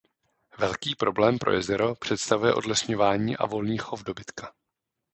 Velký problém pro jezero představuje odlesňování a volný chov dobytka.